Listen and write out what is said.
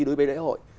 đối với lễ hội